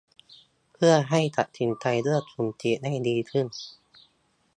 เพื่อให้ตัดสินใจเลือกกลุ่มฉีดได้ดีขึ้น